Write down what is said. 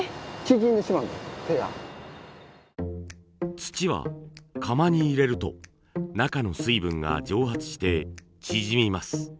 土は窯に入れると中の水分が蒸発して縮みます。